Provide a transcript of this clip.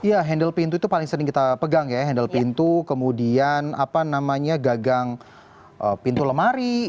ya handle pintu itu paling sering kita pegang ya handle pintu kemudian apa namanya gagang pintu lemari